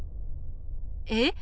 え？